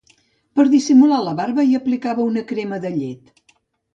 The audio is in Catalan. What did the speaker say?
Per dissimular la barba hi aplicava una crema de llet.